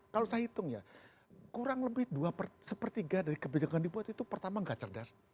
kalau saya hitung ya kurang lebih dua sepertiga dari kebijakan yang dibuat itu pertama nggak cerdas